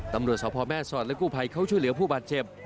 ตำรวจสพแม่สอดและกู้ภัยเขาช่วยเหลือผู้บาดเจ็บ